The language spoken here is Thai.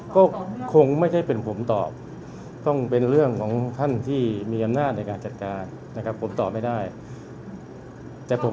คุณสนุกพูดอื่นไม่มีการตั้งกำลังการสอบสองเรื่อง